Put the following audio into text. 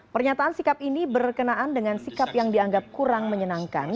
pernyataan sikap ini berkenaan dengan sikap yang dianggap kurang menyenangkan